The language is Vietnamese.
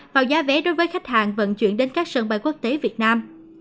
vào giá vé đối với khách hàng vận chuyển đến các sân bay quốc tế việt nam